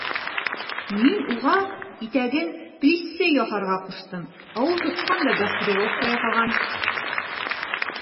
Мин уға итәген плиссе яһарға ҡуштым, ә ул тотҡан да гофрировка яһаган.